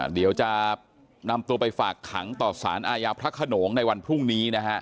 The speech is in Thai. เดี๋ยวจะนำตัวไปฝากขังต่อสารอาญาพระขนงในวันพรุ่งนี้นะฮะ